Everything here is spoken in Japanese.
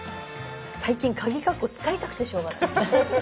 最近カギカッコ使いたくてしょうがない。